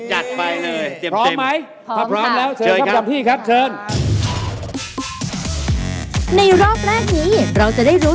จัดไปเลยเตรียมพร้อมไหม